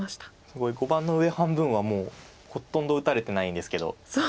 すごい碁盤の上半分はもうほとんど打たれてないんですけど。